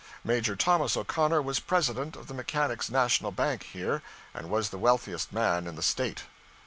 Major Thomas O'Connor was President of the Mechanics' National Bank here, and was the wealthiest man in the State.